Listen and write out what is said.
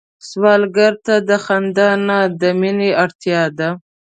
سوالګر ته د خندا نه، د مينه اړتيا ده